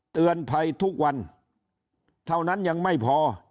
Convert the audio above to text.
เตือนภัยทุกวันเท่านั้นยังไม่พอ